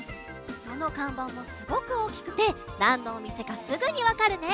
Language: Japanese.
どのかんばんもすごくおおきくてなんのおみせかすぐにわかるね！